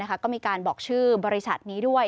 ก็มีการบอกชื่อบริษัทนี้ด้วย